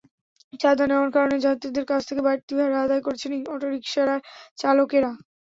চাঁদা নেওয়ার কারণে যাত্রীদের কাছ থেকে বাড়তি ভাড়া আদায় করছেন অটোরিকশার চালকেরা।